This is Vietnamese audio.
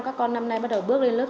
các con năm nay bắt đầu bước lên lớp